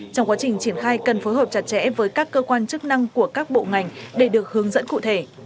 trong quá trình triển khai cần phối hợp chặt chẽ với các cơ quan chức năng của các bộ ngành để được hướng dẫn cụ thể